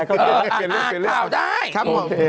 เข้าใจไหม